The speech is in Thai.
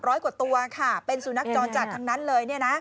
ร้อยกว่าตัวค่ะเป็นสุนัขจรจัดทั้งนั้นเลยเนี่ยนะ